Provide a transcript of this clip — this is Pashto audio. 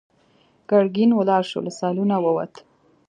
ګرګين ولاړ شو، له سالونه ووت.